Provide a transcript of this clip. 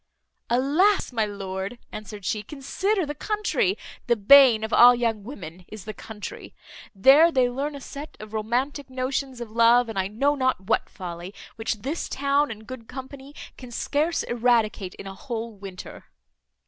"Alas! my lord," answered she, "consider the country the bane of all young women is the country. There they learn a set of romantic notions of love, and I know not what folly, which this town and good company can scarce eradicate in a whole winter."